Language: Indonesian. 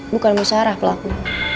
bukanmu sarah pelaku